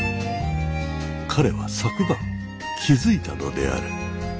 彼は昨晩気付いたのである。